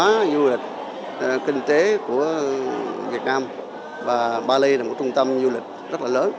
văn hóa du lịch kinh tế của việt nam và bali là một trung tâm du lịch rất là lớn